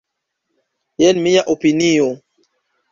Jen mia opinio.